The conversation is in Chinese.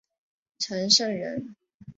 陈胜人。